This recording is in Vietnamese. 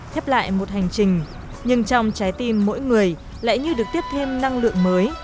khép lại một hành trình nhưng trong trái tim mỗi người lại như được tiếp thêm năng lượng mới